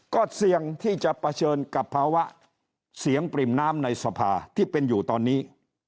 ก็เสี่ยงที่จะเผชิญกับภาวะเสียงปริ่มน้ำในสภาที่เป็นอยู่ตอนนี้